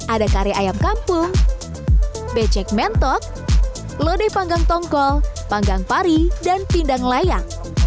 ada kare ayam kampung becek mentok lodeh panggang tongkol panggang pari dan pindang layang